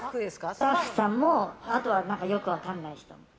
スタッフさんもあとはよく分かんない人。